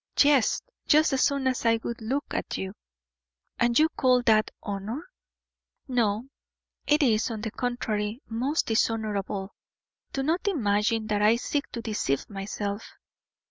"Yes, just as soon as I would look at you." "And you call that honor?" "No; it is, on the contrary, most dishonorable. Do not imagine that I seek to deceive myself.